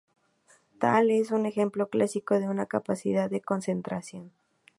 Tal es un ejemplo clásico de su capacidad de concentración.